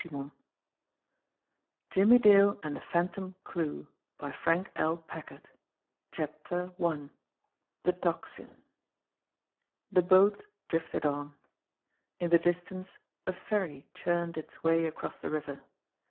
297 JIMMIE DALE AND THE PHANTOM CLUE JIMMIE DALE AND THE PHANTOM CLUE i THE TOCSIN THE boat drifted on. In the distance a ferry churned its way across the river.